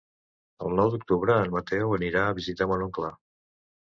El nou d'octubre en Mateu anirà a visitar mon oncle.